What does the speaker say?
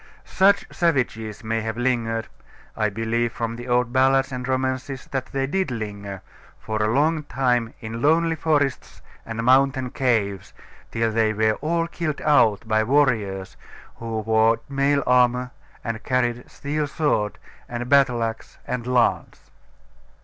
Such savages may have lingered (I believe, from the old ballads and romances, that they did linger) for a long time in lonely forests and mountain caves, till they were all killed out by warriors who wore mail armour and carried steel sword, and battle axe, and lance.